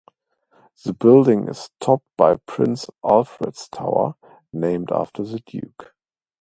The building is topped by Prince Alfred's Tower, named after the Duke.